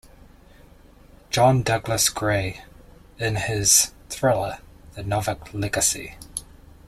John Douglas-Gray in his thriller "The Novak Legacy"